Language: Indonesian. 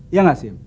iya gak sih